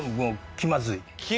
気まずい？